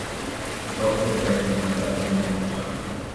The dog with the racing number is in midjump